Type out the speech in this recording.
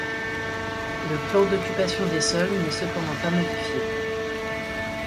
Le plan d’occupation des sols n’est cependant pas modifié.